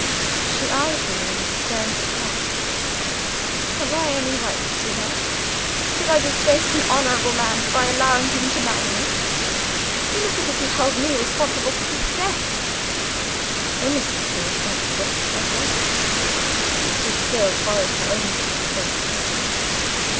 "She eyed me in stern surprise. 'Have I any right to love? Could I disgrace an honorable man by allowing him to marry me? You look as if you held me responsible for his death.' "'Innocently responsible,' I said. "She still followed her own train of thought.